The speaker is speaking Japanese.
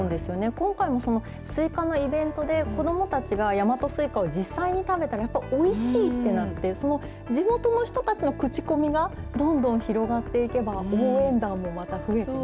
今回も、そのスイカのイベントで、子どもたちが大和スイカを実際に食べたら、やっぱおいしいってなって、その地元の人たちの口コミがどんどん広がっていけば、応援団もまた増えてね、